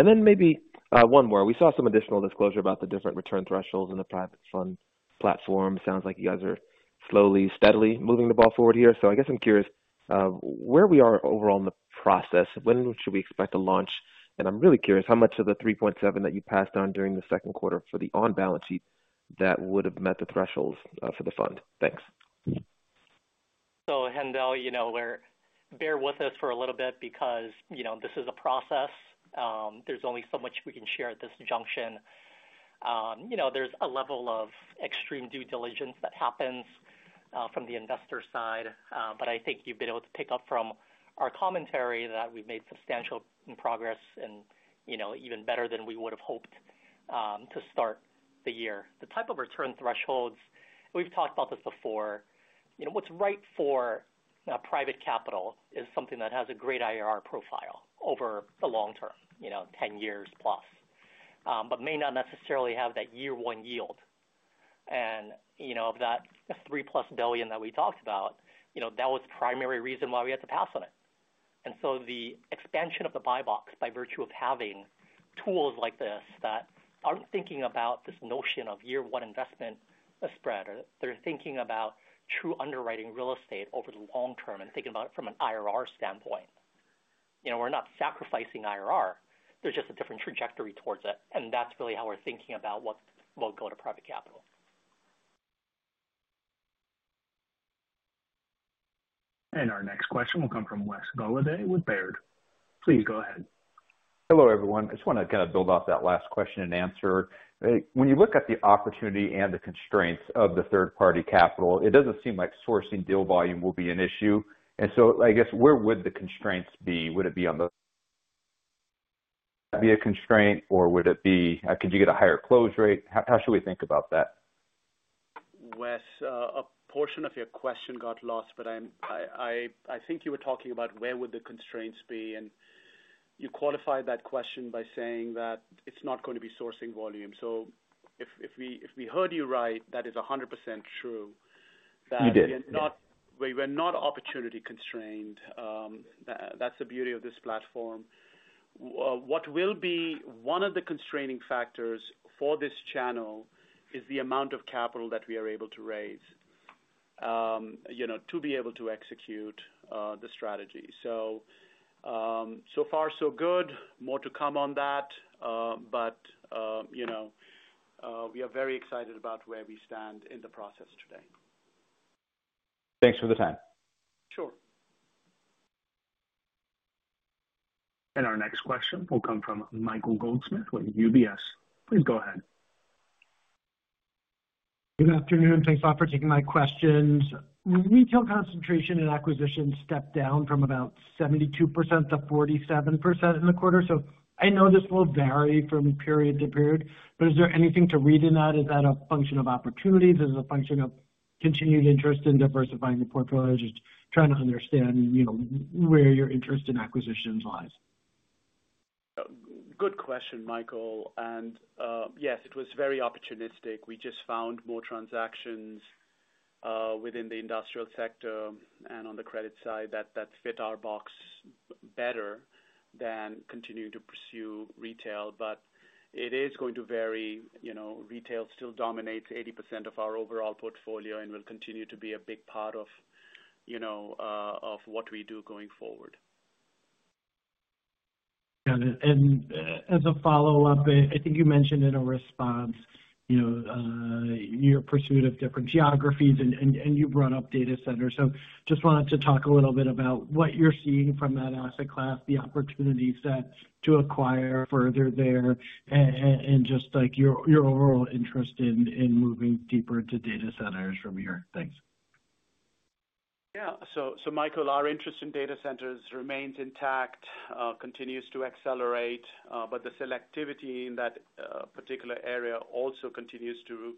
Maybe one more. We saw some additional disclosure about the different return thresholds in the private fund platform. It sounds like you guys are slowly, steadily moving the ball forward here. I guess I'm curious where we are overall in the process. When should we expect to launch? I'm really curious how much of the $3.7 million that you passed on during the second quarter for the on-balance sheet would have met the thresholds for the fund. Thanks. Haendel, bear with us for a little bit because this is a process. There is only so much we can share at this junction. There is a level of extreme due diligence that happens from the investor side. I think you've been able to pick up from our commentary that we've made substantial progress and even better than we would have hoped to start the year. The type of return thresholds, we've talked about this before. What's right for private capital is something that has a great IRR profile over the long term, 10 years plus, but may not necessarily have that year-one yield. Of that $3+ billion that we talked about, that was the primary reason why we had to pass on it. The expansion of the buy box by virtue of having tools like this that are not thinking about this notion of year-one investment spread, or they're thinking about true underwriting real estate over the long term and thinking about it from an IRR standpoint. We're not sacrificing IRR. There is just a different trajectory towards it. That is really how we're thinking about what will go to private capital. Our next question will come from Wes Golladay with Baird. Please go ahead. Hello, everyone. I just want to build off that last question and answer. When you look at the opportunity and the constraints of the third-party capital, it doesn't seem like sourcing deal volume will be an issue. I guess where would the constraints be? Would it be a constraint, or could you get a higher close rate? How should we think about that? Wes, a portion of your question got lost, but I think you were talking about where would the constraints be. You qualified that question by saying that it's not going to be sourcing volume. If we heard you right, that is 100% true. We did. We're not opportunity constrained. That's the beauty of this platform. One of the constraining factors for this channel is the amount of capital that we are able to raise to be able to execute the strategy. So far, so good. More to come on that. We are very excited about where we stand in the process today. Thanks for the time. Sure. Our next question will come from Michael Goldsmith with UBS. Please go ahead. Good afternoon. Thanks a lot for taking my questions. Retail concentration and acquisitions stepped down from about 72% to 47% in the quarter. I know this will vary from period to period. Is there anything to read in that? Is that a function of opportunities? Is it a function of continued interest in diversifying the portfolio? Just trying to understand where your interest in acquisitions lies. Good question, Michael. Yes, it was very opportunistic. We just found more transactions within the industrial sector and on the credit side that fit our box better than continuing to pursue retail. It is going to vary. Retail still dominates 80% of our overall portfolio and will continue to be a big part of what we do going forward. I think you mentioned in a response your pursuit of different geographies, and you brought up data centers. I just wanted to talk a little bit about what you're seeing from that asset class, the opportunity set to acquire further there, and just your overall interest in moving deeper into data centers from here. Thanks. Yeah. Michael, our interest in data centers remains intact, continues to accelerate. The selectivity in that particular area also continues to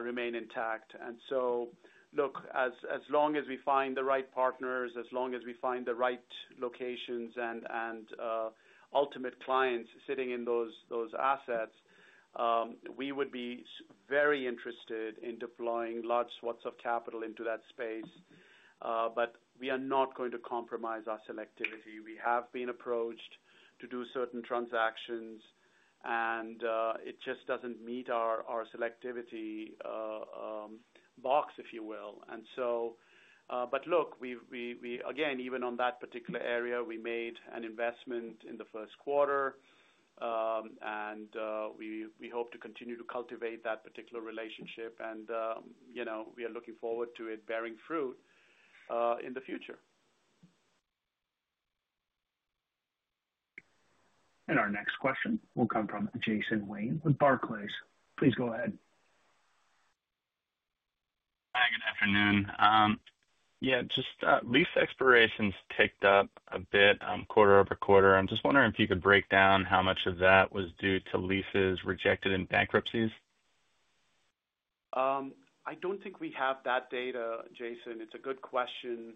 remain intact. Look, as long as we find the right partners, as long as we find the right locations and ultimate clients sitting in those assets, we would be very interested in deploying large swaths of capital into that space. We are not going to compromise our selectivity. We have been approached to do certain transactions, and it just doesn't meet our selectivity box, if you will. Even on that particular area, we made an investment in the first quarter. We hope to continue to cultivate that particular relationship, and we are looking forward to it bearing fruit in the future. Our next question will come from Jason Wayne with Barclays. Please go ahead. Hi. Good afternoon. Lease expirations ticked up a bit, quarter-over-quarter. I'm just wondering if you could break down how much of that was due to leases rejected in bankruptcies. I don't think we have that data, Jason. It's a good question.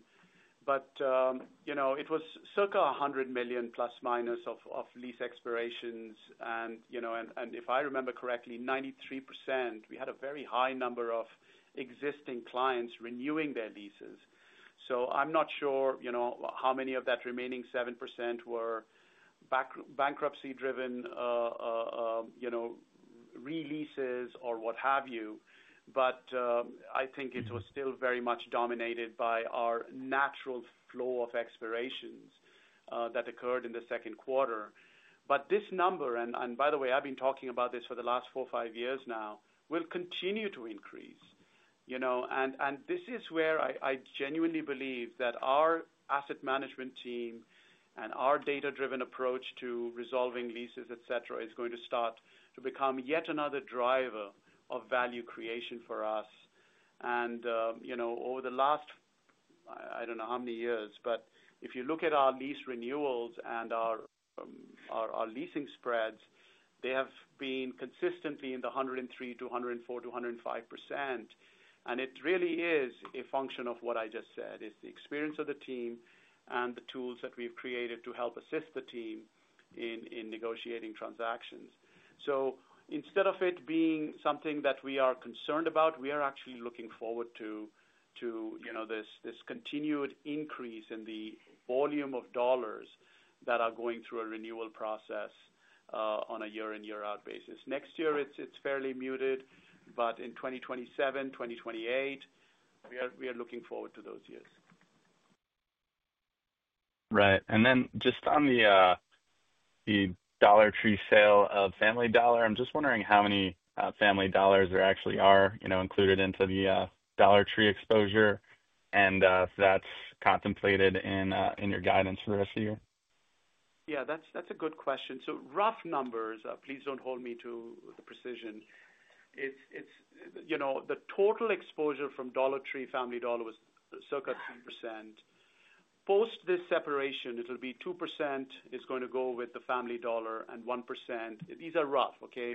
It was circa $100± million of lease expirations. If I remember correctly, 93%, we had a very high number of existing clients renewing their leases. I'm not sure how many of that remaining 7% were bankruptcy-driven releases or what have you. I think it was still very much dominated by our natural flow of expirations that occurred in the second quarter. This number, and by the way, I've been talking about this for the last four or five years now, will continue to increase. This is where I genuinely believe that our asset management team and our data-driven approach to resolving leases, et cetera, is going to start to become yet another driver of value creation for us. Over the last, I don't know how many years, if you look at our lease renewals and our leasing spreads, they have been consistently in the 103%-104%-105%. It really is a function of what I just said, the experience of the team and the tools that we've created to help assist the team in negotiating transactions. Instead of it being something that we are concerned about, we are actually looking forward to this continued increase in the volume of dollars that are going through a renewal process on a year-in, year-out basis. Next year, it's fairly muted. In 2027, 2028, we are looking forward to those years. Right. Just on the Dollar Tree sale of Family Dollar, I'm just wondering how many Family Dollars there actually are included into the Dollar Tree exposure, and if that's contemplated in your guidance for the rest of the year? Yeah, that's a good question. Rough numbers, please don't hold me to the precision. The total exposure from Dollar Tree Family Dollar was circa 2%. Post this separation, 2% is going to go with the Family Dollar and 1%. These are rough, OK,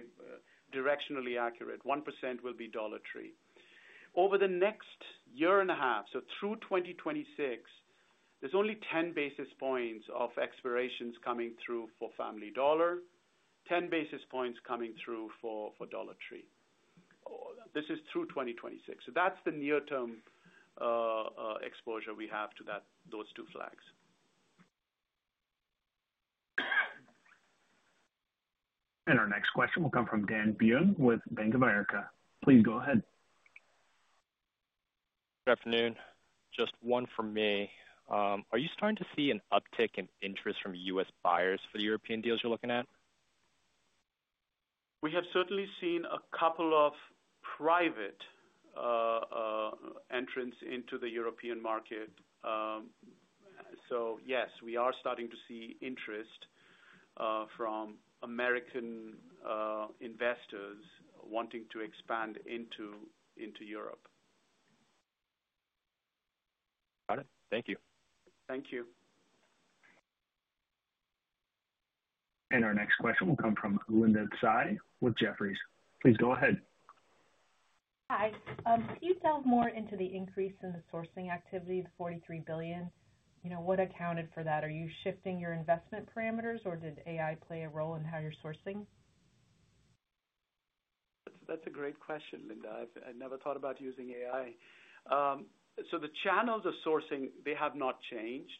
directionally accurate. 1% will be Dollar Tree. Over the next year and a half, so through 2026, there's only 10 basis points of expirations coming through for Family Dollar, 10 basis points coming through for Dollar Tree. This is through 2026. That's the near-term exposure we have to those two flags. Our next question will come from Dan Bierne with Bank of America. Please go ahead. Good afternoon. Just one for me. Are you starting to see an uptick in interest from U.S. buyers for the European deals you're looking at? We have certainly seen a couple of private entrants into the European market. Yes, we are starting to see interest from American investors wanting to expand into Europe. Got it. Thank you. Thank you. Our next question will come from Linda Tsai with Jefferies. Please go ahead. Hi. Can you delve more into the increase in the sourcing activity, the $43 billion? You know, what accounted for that? Are you shifting your investment parameters, or did AI play a role in how you're sourcing? That's a great question, Linda. I've never thought about using AI. The channels of sourcing have not changed.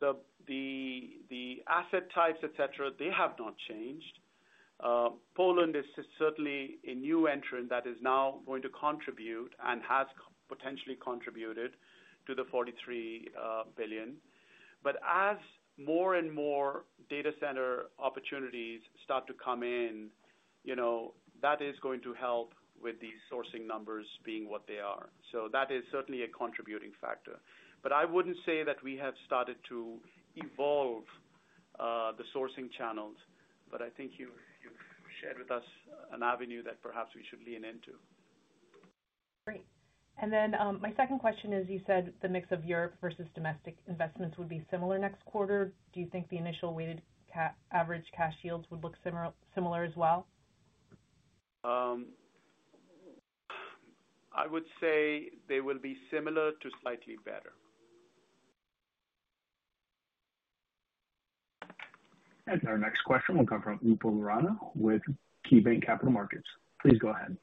The asset types, et cetera, have not changed. Poland is certainly a new entrant that is now going to contribute and has potentially contributed to the $43 billion. As more and more data center opportunities start to come in, that is going to help with the sourcing numbers being what they are. That is certainly a contributing factor. I wouldn't say that we have started to evolve the sourcing channels. I think you've shared with us an avenue that perhaps we should lean into. Great. My second question is, you said the mix of Europe versus domestic investments would be similar next quarter. Do you think the initial weighted average cash yields would look similar as well? I would say they will be similar to slightly better. Our next question will come from Upal Rana with KeyBanc Capital Markets. Please go ahead.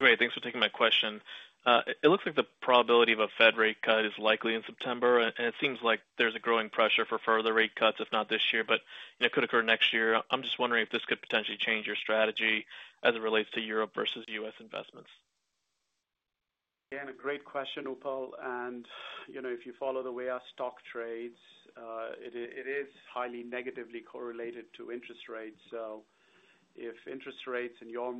Great. Thanks for taking my question. It looks like the probability of a Fed rate cut is likely in September. It seems like there's a growing pressure for further rate cuts, if not this year, but it could occur next year. I'm just wondering if this could potentially change your strategy as it relates to Europe versus U.S. investments. Yeah, great question, Upal. If you follow the way our stock trades, it is highly negatively correlated to interest rates. If interest rates, in your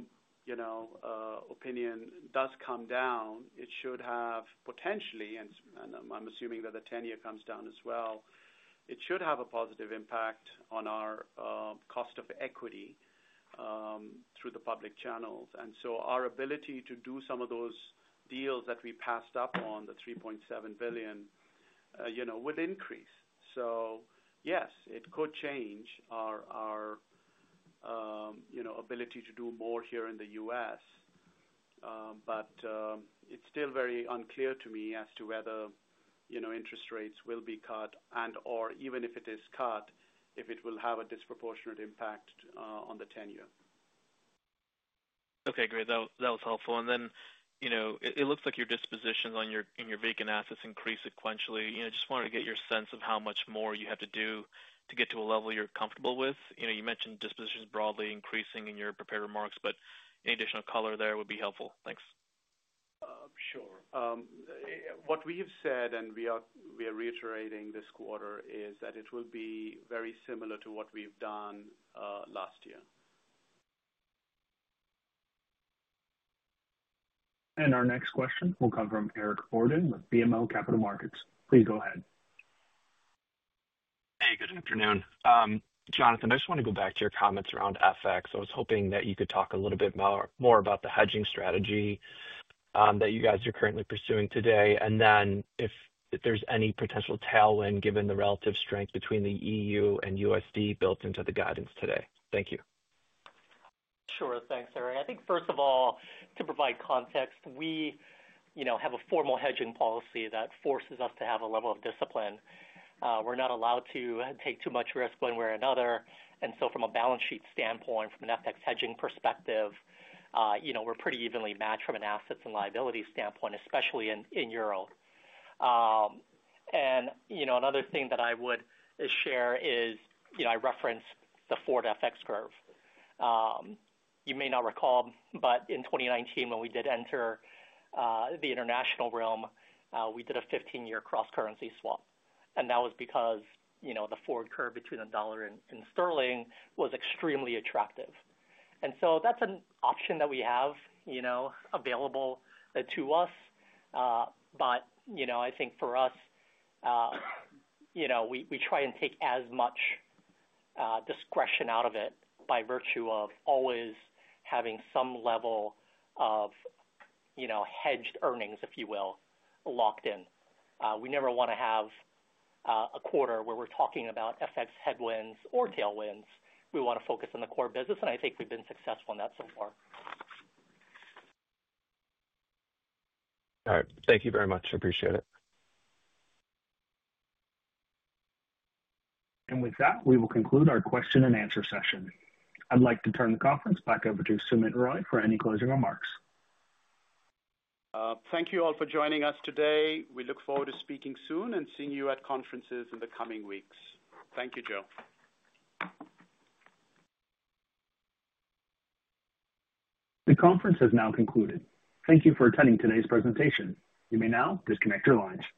opinion, do come down, it should have potentially, and I'm assuming that the 10-year comes down as well, it should have a positive impact on our cost of equity through the public channels. Our ability to do some of those deals that we passed up on, the $3.7 billion, would increase. Yes, it could change our ability to do more here in the U.S. It is still very unclear to me as to whether interest rates will be cut and/or even if it is cut, if it will have a disproportionate impact on the 10-year. OK, great. That was helpful. It looks like your dispositions on your vacant assets increase sequentially. I just wanted to get your sense of how much more you have to do to get to a level you're comfortable with. You mentioned dispositions broadly increasing in your prepared remarks. Any additional color there would be helpful. Thanks. Sure. What we have said, and we are reiterating this quarter, is that it will be very similar to what we've done last year. Our next question will come from Eric Borden with BMO Capital Markets. Please go ahead. Hey, good afternoon. Jonathan, I just want to go back to your comments around FX. I was hoping that you could talk a little bit more about the hedging strategy that you guys are currently pursuing today. If there's any potential tailwind given the relative strength between the EU and USD built into the guidance today. Thank you. Sure. Thanks, Eric. First of all, to provide context, we have a formal hedging policy that forces us to have a level of discipline. We're not allowed to take too much risk one way or another. From a balance sheet standpoint, from an FX hedging perspective, we're pretty evenly matched from an assets and liabilities standpoint, especially in euro. Another thing that I would share is I referenced the forward FX curve. You may not recall, but in 2019, when we did enter the international realm, we did a 15-year cross-currency swap. That was because the forward curve between the dollar and sterling was extremely attractive. That's an option that we have available to us. For us, we try and take as much discretion out of it by virtue of always having some level of hedged earnings, if you will, locked in. We never want to have a quarter where we're talking about FX headwinds or tailwinds. We want to focus on the core business. I think we've been successful in that so far. All right. Thank you very much. Appreciate it. With that, we will conclude our question-and-answer session. I'd like to turn the conference back over to Sumit Roy for any closing remarks. Thank you all for joining us today. We look forward to speaking soon and seeing you at conferences in the coming weeks. Thank you, Joe. The conference has now concluded. Thank you for attending today's presentation. You may now disconnect your lines.